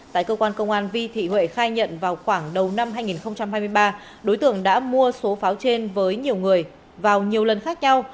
tại cơ quan công an vi thị huệ khai nhận vào khoảng đầu năm hai nghìn hai mươi ba đối tượng đã mua số pháo trên với nhiều người vào nhiều lần khác nhau